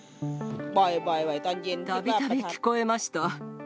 たびたび聞こえました。